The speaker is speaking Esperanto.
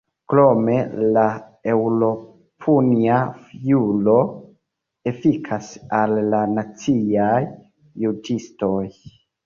Krome, la eŭropunia juro efikas al la naciaj juĝistoj.